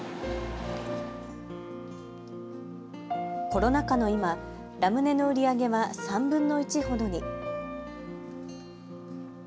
コロナ禍の今、ラムネの売り上げは３分の１ほどに。